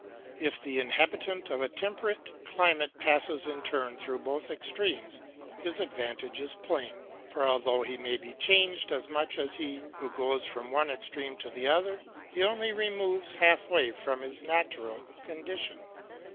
If the inhabitant of a temperate climate passes in turn through both extremes his advantage is plain, for although he may be changed as much as he who goes from one extreme to the other, he only removes half way from his natural condition.